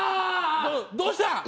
どうした！